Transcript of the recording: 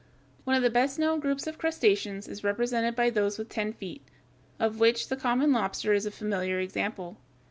] One of the best known groups of crustaceans is represented by those with ten feet, of which the common lobster (Fig. 144) is a familiar example.